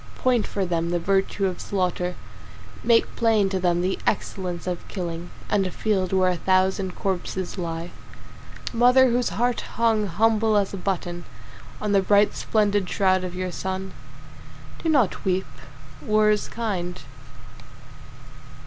Point for them the virtue of slaughter, Make plain to them the excellence of killing And a field where a thousand corpses lie. Mother whose heart hung humble as a button On the bright splendid shroud of your son, Do not weep. War is kind.